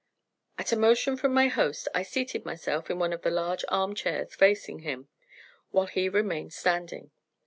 At a motion from my host I seated myself in one of the large arm chairs facing him, while he remained standing.